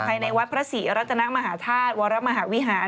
ภายในวัดพระศรีรัตนมหาธาตุวรมหาวิหาร